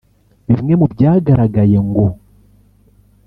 Bimwe mu byagaragaye ngo